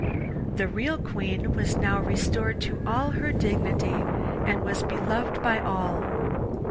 The real Queen was now restored to all her dignity, and was beloved by all.